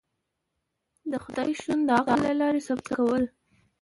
د خدای شتون د عقل له لاری ثبوت کول